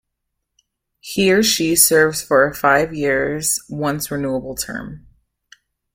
He or she serves for a five years, once renewable term.